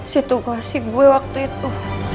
situ gue si gue waktu itu